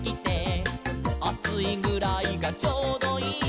「『あついぐらいがちょうどいい』」